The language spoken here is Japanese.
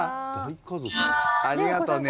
ありがとね。